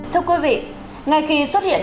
thưa quý vị ngay khi xuất hiện